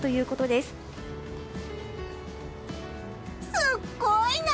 すごいな！